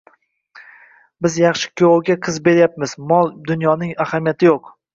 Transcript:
Biz yaxshi kuyovga qiz beryapmiz, mol dunyoning ahamiyati yo'q